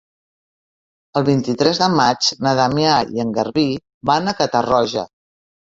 El vint-i-tres de maig na Damià i en Garbí van a Catarroja.